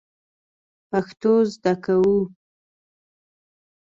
پښتو زده کوو